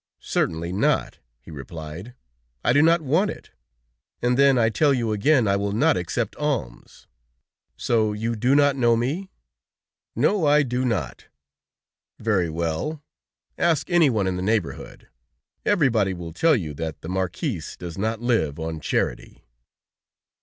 "Certainly not," he replied. "I do not want it; and then, I tell you again, I will not accept alms. So you do not know me?" "No, I do not." "Very well, ask anyone in the neighborhood. Everybody will tell you that the Marquis does not live on charity."